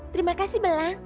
terima kasih belang